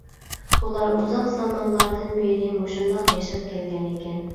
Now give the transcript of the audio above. ئۇلار ئۇزاق زامانلاردىن بىرى مۇشۇنداق ياشاپ كەلگەنىكەن.